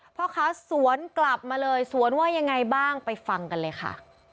พ่อค้าสวนกลับมาเลยสวนว่ายังไงบ้างไปฟังกันเลยค่ะ